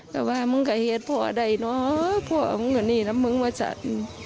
ก็ว่ามึงกระเหียดพ่อใดเนอะพ่อมึงก็นี่นะมึงว่าฉัน